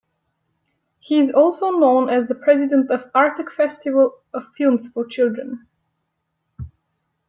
He is also known as the President of Artek Festival of Films for Children.